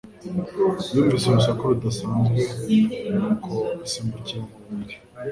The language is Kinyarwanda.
Yumvise urusaku rudasanzwe, nuko asimbukira mu buriri.